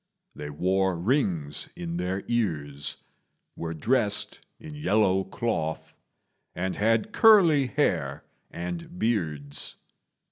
They wore rings in their ears, were dressed in yellow cloth, and had curly hair and beards.